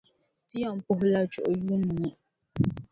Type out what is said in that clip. Ti yɛn puhila chuɣu yuuni ŋɔ.